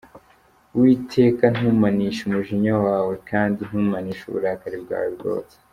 Uwiteka ntumpanishe umujinya wawe, Kandi ntumpanishe uburakari bwawe bwotsa.